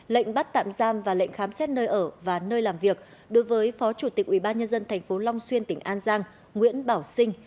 lệnh bắt tạm giam và lệnh khám xét nơi ở và nơi làm việc đối với phó chủ tịch ubnd tp long xuyên tỉnh an giang nguyễn bảo sinh